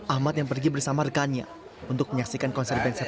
ahmad yang pergi bersama rekannya untuk menyaksikan konser band satu